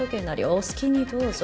お好きにどうぞ。